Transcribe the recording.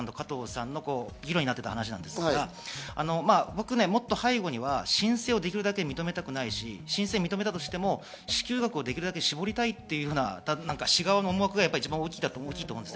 ２つ目がモーリーさんと加藤さんが議論になっていた話ですが、もっと背後には申請をできるだけ認めたくないし、認めたとしても支給額をできるだけ絞りたいというような市側の思惑が一番大きいと思うんです。